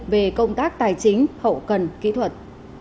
về công tác tài chính hậu cần kỹ thuật